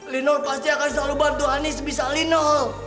lino pasti akan selalu bantu honey sebisa lino